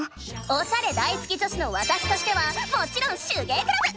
おしゃれ大好き女子のわたしとしてはもちろん手芸クラブ！